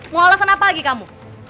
mau alasan apa lagi kamu